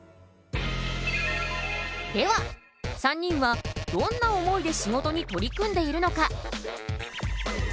では３人はどんな思いで仕事に取り組んでいるのか。